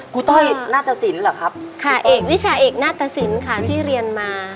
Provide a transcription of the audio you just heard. ต้อยนาตสินเหรอครับค่ะเอกวิชาเอกหน้าตสินค่ะที่เรียนมา